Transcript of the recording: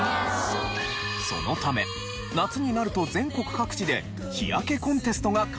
そのため夏になると全国各地で日焼けコンテストが開催されていたんです。